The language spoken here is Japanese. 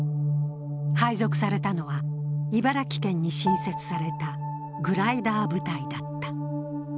配属されたのは茨城県に新設されたグライダー部隊だった。